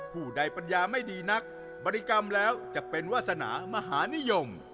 ผู้ใดปัญญาไม่ดีนักบริกรรมแล้วจะเป็นวาสนามหานิยม